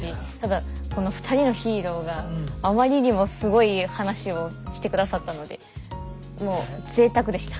この２人のヒーローがあまりにもすごい話をして下さったのでもうぜいたくでした。